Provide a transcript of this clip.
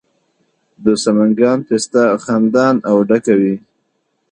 د سمنګان پسته خندان او ډکه وي.